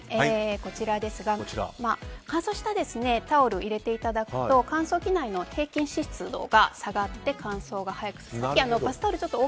乾燥したタオルを入れていただくと乾燥機内の平均湿度が下がって乾燥が早く進むと。